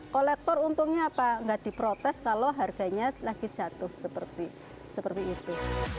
kolektor untungnya apa nggak diprotes kalau harganya lagi jatuh seperti itu